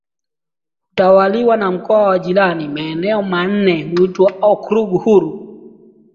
hutawaliwa na mkoa wa jirani Maeneo manne huitwa okrug huru